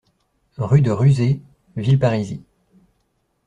Rue de Ruzé, Villeparisis